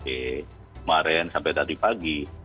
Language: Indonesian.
kemarin sampai tadi pagi